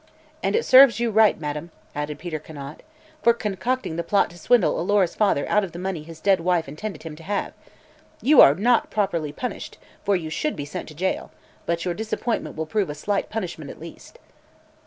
"And it serves you right, madam," added Peter Conant, "for concocting the plot to swindle Alora's father out of the money his dead wife intended him to have. You are not properly punished, for you should be sent to jail, but your disappointment will prove a slight punishment, at least."